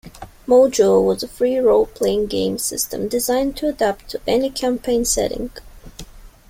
Mojo was a free role-playing game system designed to adapt to any campaign setting.